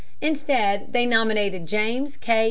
Instead they nominated James K.